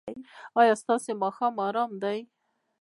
ایا ستاسو ماښام ارام دی؟